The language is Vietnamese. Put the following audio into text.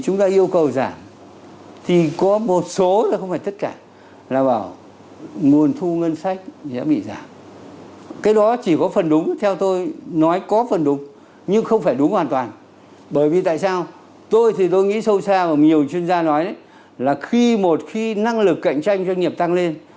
năng lực cạnh tranh doanh nghiệp tăng lên